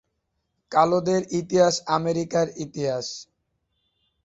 কালোদের ইতিহাস আমেরিকার ইতিহাস।